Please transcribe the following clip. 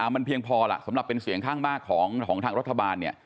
มันเพียงพอล่ะสำหรับเป็นเสียงข้างมากของทางรัฐบาลเนี่ย